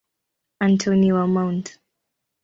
Antoni wa Mt.